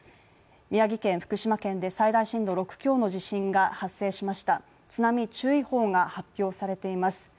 宮城県福島県で最大震度６強の地震が発生しました津波注意報が発表されています。